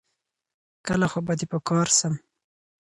کله خو به دي په کار سم